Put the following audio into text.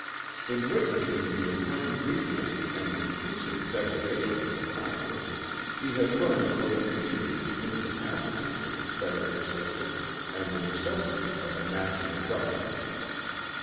In witnessing the inherent weakness and increasing degradation of the Congress, he had learned to appreciate the incapacity of the confederate system, and the necessity of a National government.